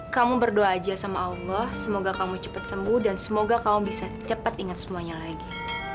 kamu berdoa aja sama allah semoga kamu cepat sembuh dan semoga kamu bisa cepat ingat semuanya lagi